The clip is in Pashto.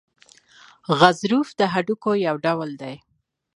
غضروف د هډوکو یو ډول دی.